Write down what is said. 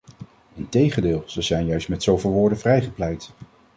Integendeel, ze zijn juist met zoveel woorden vrijgepleit.